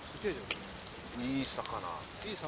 いい魚。